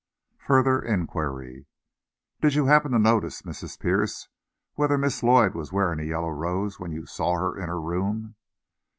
FURTHER INQUIRY "Did you happen to notice, Mrs. Pierce, whether Miss Lloyd was wearing a yellow rose when you saw her in her room?"